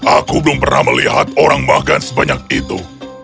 aku belum pernah melihat orang makan sebanyak itu